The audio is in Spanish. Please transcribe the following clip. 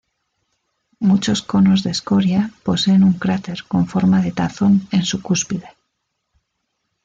Muchos conos de escoria poseen un cráter con forma de tazón en su cúspide.